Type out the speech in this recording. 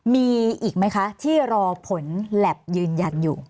มีอีกไหมคะที่รอผลแล็บยืนยันอยู่